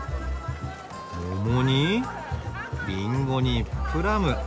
桃にりんごにプラム。